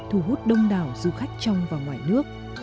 thu hút đông đảo du khách trong và ngoài nước